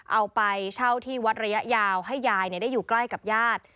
เอาไปเช่าที่วัดระยะยาวให้ยายได้อยู่ใกล้กับญาติ